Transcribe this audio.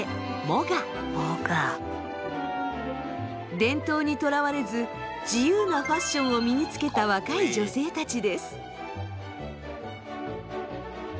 伝統にとらわれず自由なファッションを身につけた若い女性たちです。